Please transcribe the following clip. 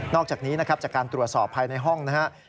อกจากนี้นะครับจากการตรวจสอบภายในห้องนะครับ